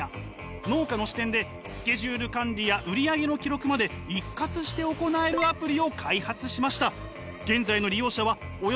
農家の視点でスケジュール管理や売上の記録まで一括して行えるアプリを開発しました。